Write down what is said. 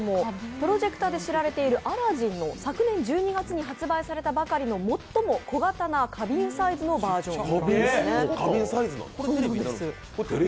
プロジェクターで知られているＡｌａｄｄｉｎの昨年１２月に発売されたばかりの最も小型な花瓶サイズのバージョンなんです。